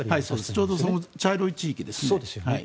ちょうどその茶色い地域です。